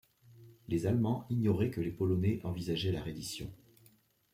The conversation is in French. Les Allemands ignoraient que les Polonais envisageaient la reddition.